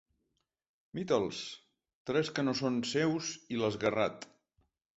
Mi-te'ls, tres que no són seus i l'esguerrat.